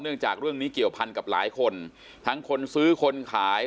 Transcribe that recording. จากเรื่องนี้เกี่ยวพันกับหลายคนทั้งคนซื้อคนขาย